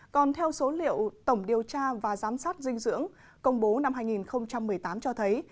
còn theo số liệu tổng điều tra và giám sát dinh dưỡng công bố năm hai nghìn một mươi tám cho thấy